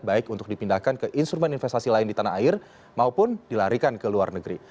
baik untuk dipindahkan ke instrumen investasi lain di tanah air maupun dilarikan ke luar negeri